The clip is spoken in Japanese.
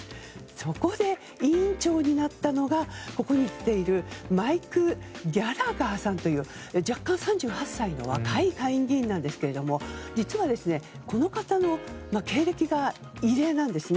そこで、委員長になったのがここに出ているマイク・ギャラガーさんという弱冠３８歳の若い下院議員なんですけど実は、この方の経歴が異例なんですね。